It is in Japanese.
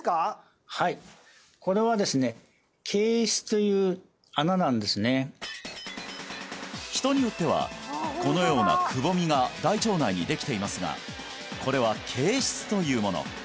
はい人によってはこのようなくぼみが大腸内にできていますがこれは憩室というもの